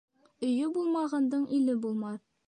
Өйө булмағандың иле булмаҫ.